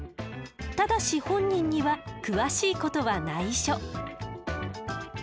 ただし本人には詳しいことはないしょ。